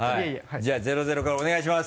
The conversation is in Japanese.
じゃあ０−０からお願いします。